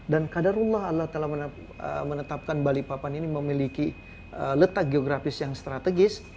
dan kadarullah allah telah menetapkan balikpapan ini memiliki letak geografis yang strategis